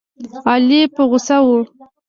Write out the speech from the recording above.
علي په غوسه و.